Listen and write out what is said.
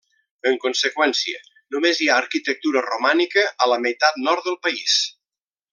En conseqüència, només hi ha arquitectura romànica a la meitat nord del país.